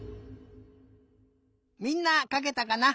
みんなかけたかな？